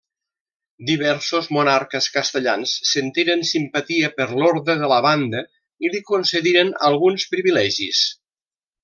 Diversos monarques castellans sentiren simpatia per l'Orde de la Banda i li concediren alguns privilegis.